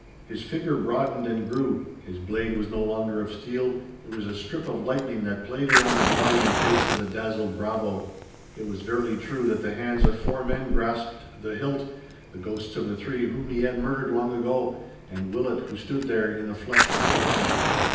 His figure broadened and grew. His blade was no longer of steel, it was a strip of lightning that played around the body and face of the dazzled bravo. It was verily true that the hands of four men grasped the hilt, the ghosts of the three whom he had murdered long ago, and Willet who stood there in the flesh before him.